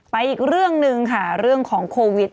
อีกเรื่องหนึ่งค่ะเรื่องของโควิด